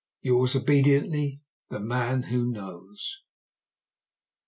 Yours obediently, "THE MAN WHO KNOWS."